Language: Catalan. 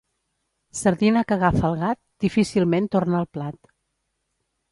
Sardina que agafa el gat, difícilment torna al plat.